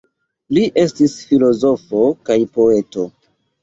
Li estis filozofo kaj poeto.